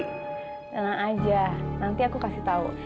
tenang aja nanti aku kasih tau